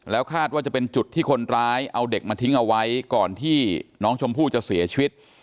คาดว่าจะเป็นจุดที่คนร้ายเอาเด็กมาทิ้งเอาไว้ก่อนที่น้องชมพู่จะเสียชีวิต